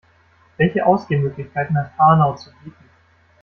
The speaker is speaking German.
Welche Ausgehmöglichkeiten hat Hanau zu bieten?